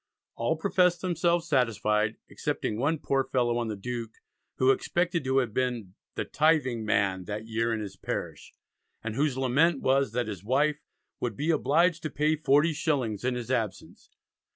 All professed themselves satisfied, excepting one poor fellow on the Duke, who expected to have been "the Tything man that year in his parish," and whose lament was that his wife "would be obliged to pay forty shillings in his absence."